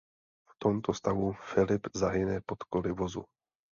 V tomto stavu Philip zahyne pod koly vozu.